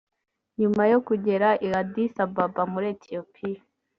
nyuma yo kugera i Addis Ababa muri Ethiopia